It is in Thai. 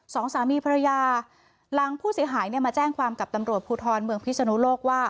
สองสามีภรรยาหลังผู้เสียหายเนี่ยมาแจ้งความกับตำรวจภูทรเมืองพิศนุโลกว่า